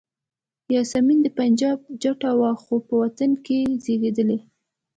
یاسمین د پنجاب جټه وه خو په وطن کې زیږېدلې.